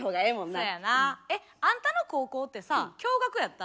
そやな。あんたの高校ってさ共学やった？